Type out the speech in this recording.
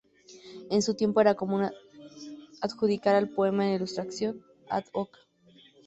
En su tiempo era común adjuntar al poema una ilustración "ad hoc".